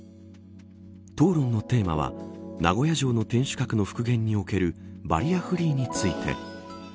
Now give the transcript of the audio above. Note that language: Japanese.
討論のテーマは名古屋城の天守閣の復元におけるバリアフリーについて。